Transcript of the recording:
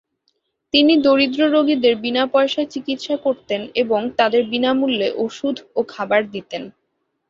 তিনি দরিদ্র রোগীদের বিনা পয়সায় চিকিৎসা করতেন এবং তাদের বিনামূল্যে ওষুধ ও খাবার দিতেন।